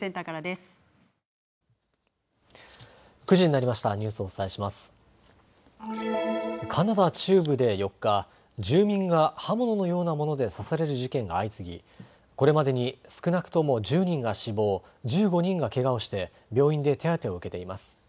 カナダ中部で４日、住民が刃物のようなもので刺される事件が相次ぎこれまでに少なくとも１０人が死亡、１５人がけがをして病院で手当てを受けています。